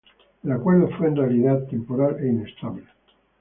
El acuerdo fue, en realidad, temporal e inestable.